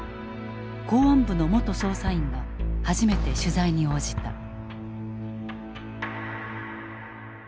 公安部の元捜査員が初めて取材に応じた。